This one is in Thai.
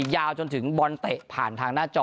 ยาวจนถึงบอลเตะผ่านทางหน้าจอ